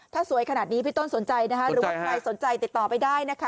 ถ้าสวยขนาดนี้พี่ต้นสนใจนะคะหรือว่าใครสนใจติดต่อไปได้นะคะ